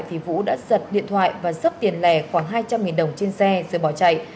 thì vũ đã giật điện thoại và sắp tiền lẻ khoảng hai trăm linh đồng trên xe rồi bỏ chạy